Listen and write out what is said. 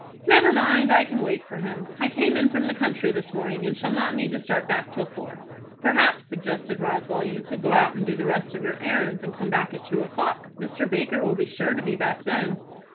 "Never mind, I can wait for him. I came in from the country this morning, and shall not need to start back till four." "Perhaps," suggested Roswell, "you could go out and do the rest of your errands, and come back at two o'clock. Mr. Baker will be sure to be back then."